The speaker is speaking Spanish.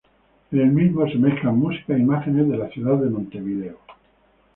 En el mismo se mezclan música e imágenes de la ciudad de Montevideo.